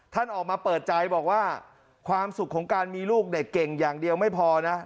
ท่านออกมาเปิดใจบอกว่าความสุขของการมีลูกเด็กเก่งอย่างเดียวไม่พอนะ